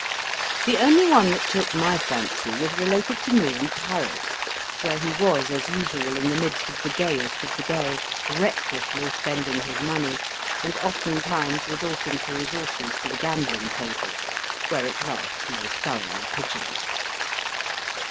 The only one that took my fancy was related to me in Paris, where he was as usual in the midst of the gayest of the gay, recklessly spending his money, and oftentimes resorting for resources to the gambling table, where at last he was thoroughly pigeoned.